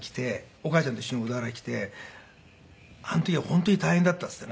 お母ちゃんと一緒に小田原へ来てあの時は本当に大変だったっていって。